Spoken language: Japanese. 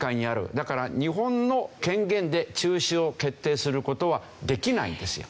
だから日本の権限で中止を決定する事はできないんですよ。